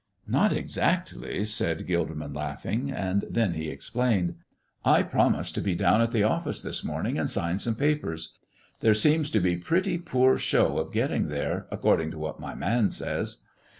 "Not exactly," said Gilderman, laughing. And then he explained. "I promised to be down at the office this morning and sign some papers. There seems to be pretty poor show of getting there, according to what my man says."